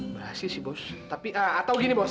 berhasil sih bos tapi atau gini bos